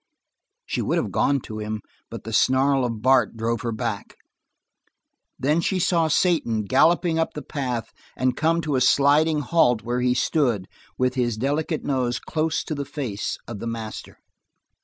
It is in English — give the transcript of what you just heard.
She would have gone to him, but the snarl of Bart drove her back. Then she saw Satan galloping up the path and come to a sliding halt where he stood with his delicate nose close to the face of the master.